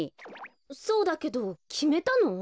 そうだけどきめたの？